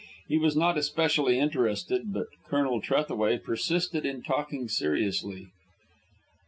He was not especially interested, but Colonel Trethaway persisted in talking seriously.